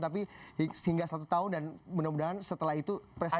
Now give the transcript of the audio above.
tapi sehingga satu tahun dan mudah mudahan setelah itu presiden